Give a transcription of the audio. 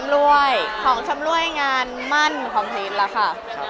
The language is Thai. มีอะไรอ่ะของชำรวยงานมั่นของทีสล่ะค่ะ